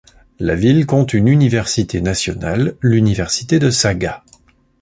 La ville compte une université nationale, l'université de Saga.